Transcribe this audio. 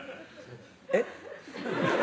「えっ？」